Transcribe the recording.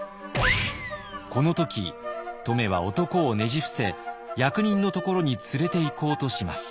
この時乙女は男をねじ伏せ役人のところに連れていこうとします。